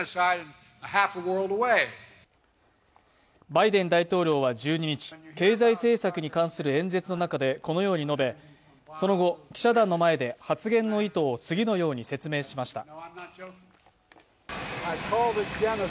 バイデン大統領は１２日、経済政策に関する演説の中でこのように述べその後、記者団の前で発言の意図を次のように説明しました。